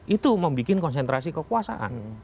itu membuat konsentrasi kekuasaan